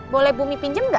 boleh bumi pinjam gak